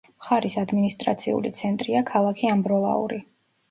მხარის ადმინისტრაციული ცენტრია ქალაქი ამბროლაური.